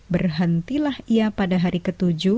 berhentilah ia pada hari ke tujuh